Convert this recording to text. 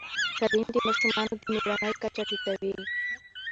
تعلیم د ماشومانو د مړینې کچه ټیټوي.